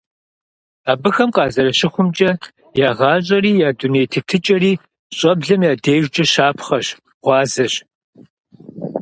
Абыхэм къазэрыщыхъумкӀэ, я гъащӀэри я дуней тетыкӀэри щӀэблэм я дежкӀэ щапхъэщ, гъуазэщ.